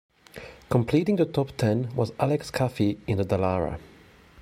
Completing the top ten was Alex Caffi in the Dallara.